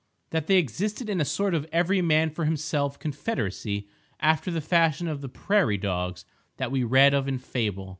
—that they existed in a sort of every man for himself confederacy, after the fashion of the "prairie dogs" that we read of in fable.